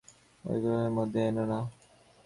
ও গ্রাহ্যের মধ্যেই এনো না।